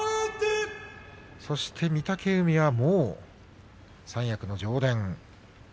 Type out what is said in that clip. そして御嶽海はもう三役の常連。